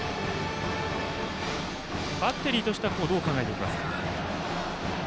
バッテリーとしてはここ、どう考えますか？